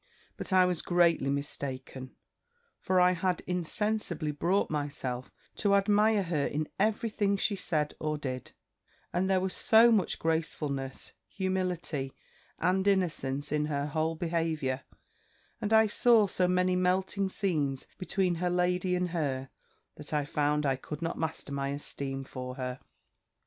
"But I was greatly mistaken: for I had insensibly brought myself to admire her in every thing she said or did; and there was so much gracefulness, humility, and innocence in her whole behaviour, and I saw so many melting scenes between her lady and her, that I found I could not master my esteem for her.